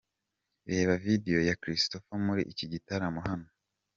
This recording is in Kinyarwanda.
Reba Video ya Christopher muri iki gitaramo hano.